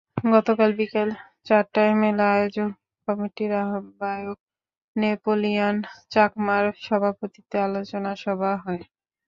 গতকাল বিকেল চারটায় মেলা আয়োজক কমিটির আহ্বায়ক নেপোলিয়ন চাকমার সভাপতিত্বে আলোচনা সভা হয়।